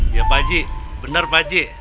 ya pak ji bener pak ji